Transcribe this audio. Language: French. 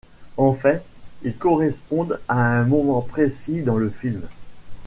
En fait, ils correspondent à un moment précis dans le film.